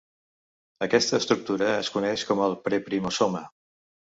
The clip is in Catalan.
Aquesta estructura es coneix com el preprimosoma.